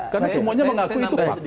karena semuanya mengaku itu fakta